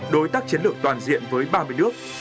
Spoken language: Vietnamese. đối tác chiến lược toàn diện với ba mươi nước